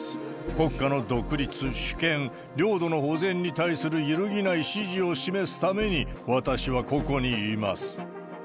国家の独立、主権、領土の保全に対する揺るぎない支持を示すために、私はここにいます。